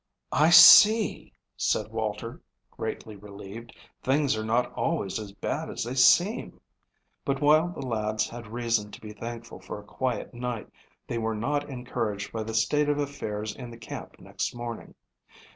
"I see," said Walter, greatly relieved. "Things are not always as bad as they seem." But while the lads had reason to be thankful for a quiet night, they were not encouraged by the state of affairs in the camp next morning.